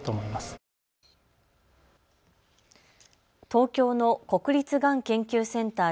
東京の国立がん研究センター